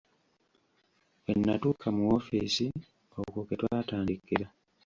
Bwe nnatuuka mu woofiisi okwo kwe twatandikira.